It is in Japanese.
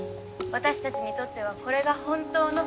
私たちにとってはこれが本当の。